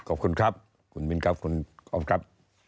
ขอบคุณครับคุณมินครับคุณก๊อฟครับ